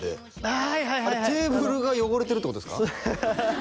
はいはいはいはいあれテーブルが汚れてるってことですか？